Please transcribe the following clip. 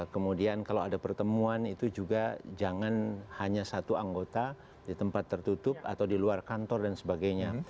kemudian kalau ada pertemuan itu juga jangan hanya satu anggota di tempat tertutup atau di luar kantor dan sebagainya